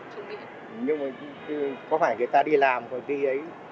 nhưng mà có phải người ta đi làm còn đi ấy